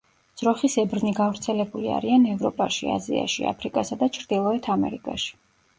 ძროხისებრნი გავრცელებული არიან ევროპაში, აზიაში, აფრიკასა და ჩრდილოეთ ამერიკაში.